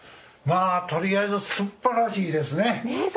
とりあえずすばらしいですね。